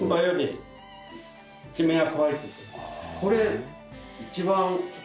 これ一番。